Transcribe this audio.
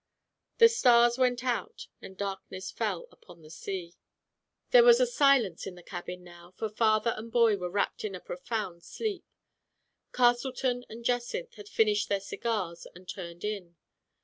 The stars went out and darkness fell upon the sea. There was silence in the cabin now, for father and boy were wrapped in a profound sleep. Castleton and Jacynth had finished their cigars and turned in.